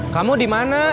kamu di mana